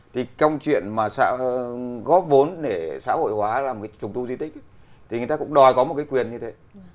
thì người ta cũng đòi có một cái quyền như thế